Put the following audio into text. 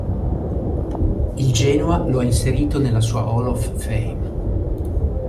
Il Genoa lo ha inserito nella sua Hall of Fame.